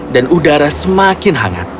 dan udara semakin hangat